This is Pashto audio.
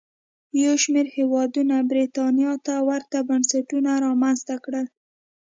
یو شمېر هېوادونو برېټانیا ته ورته بنسټونه رامنځته کړل.